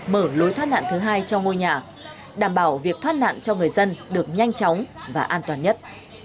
mở lối thoát nạn thứ hai cho ngôi nhà đảm bảo việc thoát nạn cho người dân được nhanh chóng và an toàn nhất